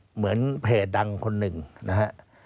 เหมือนเพจดังคนหนึ่งนะฮะ